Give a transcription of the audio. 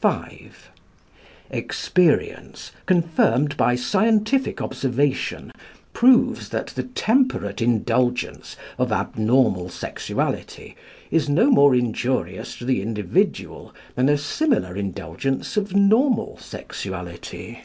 V. Experience, confirmed by scientific observation, proves that the temperate indulgence of abnormal sexuality is no more injurious to the individual than a similar indulgence of normal sexuality.